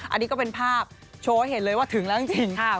อันนี้ก็เป็นภาพโชว์ให้เห็นเลยว่าถึงแล้วจริง